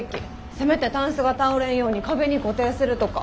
せめてタンスが倒れんように壁に固定するとか。